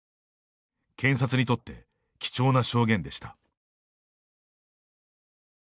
検察にとって貴重な証言でした。